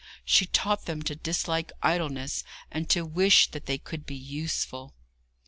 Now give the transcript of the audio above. She taught them to dislike idleness, and to wish that they could be useful.